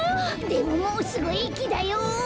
でももうすぐえきだよ！